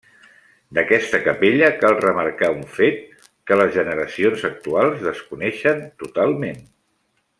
D’aquesta capella cal remarcar un fet que les generacions actuals desconeixen totalment.